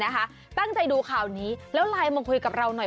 ตั้งใจดูข่าวนี้แล้วไลน์มาคุยกับเราหน่อย